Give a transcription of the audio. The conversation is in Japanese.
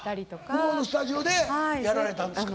向こうのスタジオでやられたんですか。